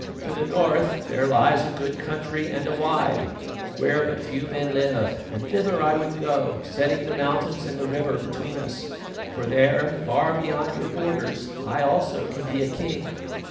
To the north there lies a good country and a wide, where but few men live, and thither I would go, setting the mountains and the river between us; for there, far beyond your borders, I also can be a king.